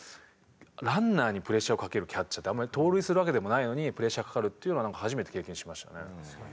ランナーにプレッシャーをかけるキャッチャーってあんまり盗塁するわけでもないのにプレッシャーかかるっていうのは初めて経験しましたね。